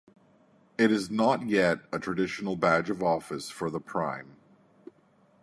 It is not yet a traditional badge of office for the Prime.